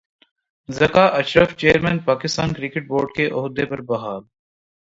Zaka Ashraf chairman Pakistan cricket board کے عہدے پر بحال